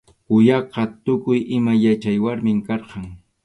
Quyaqa tukuy ima yachaq warmim karqan.